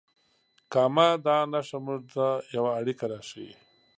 کامه دا نښه موږ ته یوه اړیکه راښیي.